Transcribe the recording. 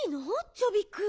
チョビくん。